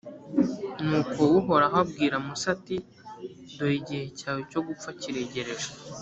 nuko uhoraho abwira musa, ati «dore igihe cyawe cyo gupfa kiregereje.